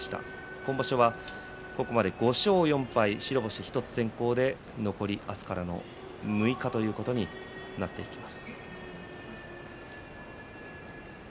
今場所は、ここまで５勝４敗白星１つ先攻で残り明日からの６日ということになっていきます。